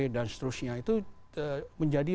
dan seterusnya itu menjadi